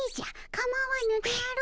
かまわぬであろう。